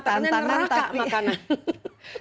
saya mengatakannya neraka makanan